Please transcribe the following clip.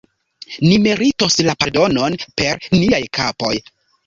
Ni meritos la pardonon per niaj kapoj!